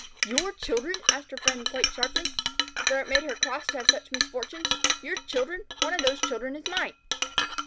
"Your children?" asked her friends quite sharply, for it made her cross to have such misfortunes. "Your children? One of those children is mine."